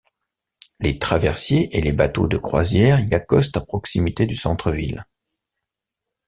Les traversiers et les bateaux de croisière y accostent à proximité du centre ville.